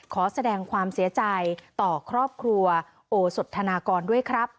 ขอแสดงความเสียใจต่อครอบครัวโอสดธนากรด้วยครับ